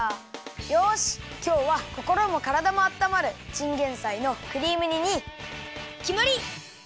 よしきょうはこころもからだもあったまるチンゲンサイのクリーム煮にきまり！